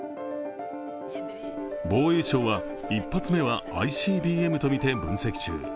防衛省は１発目はＩＣＢＭとみて分析中